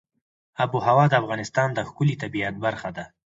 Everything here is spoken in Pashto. آب وهوا د افغانستان د ښکلي طبیعت برخه ده.